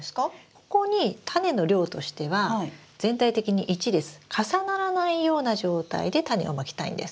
ここにタネの量としては全体的に１列重ならないような状態でタネをまきたいんです。